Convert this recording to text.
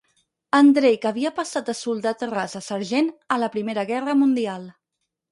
En Drake havia passat de soldat ras a sergent a la Primera Guerra Mundial.